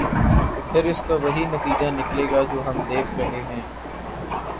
تو پھر اس کا وہی نتیجہ نکلے گا جو ہم دیکھ رہے ہیں۔